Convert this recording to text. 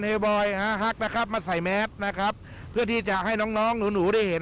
บอยฮาฮักนะครับมาใส่แมสนะครับเพื่อที่จะให้น้องน้องหนูได้เห็น